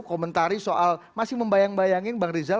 komentari soal masih membayang bayangin bang rizal